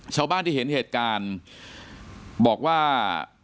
ชาวบ้านที่เห็นเหตุการณ์บอกว่า